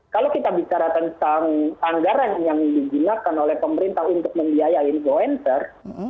kalau kita bicara tentang anggaran yang digunakan oleh pemerintah untuk membiayai influencer